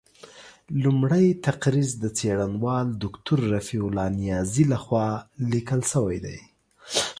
لومړۍ تقریض د څېړنوال دوکتور رفیع الله نیازي له خوا لیکل شوی دی.